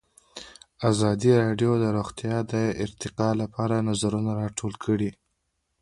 ازادي راډیو د روغتیا د ارتقا لپاره نظرونه راټول کړي.